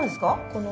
この。